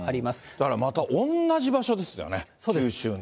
だからまた、同じ場所ですよね、九州の。